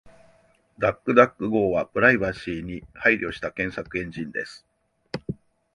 DuckDuckGo はプライバシーに配慮した検索エンジンです。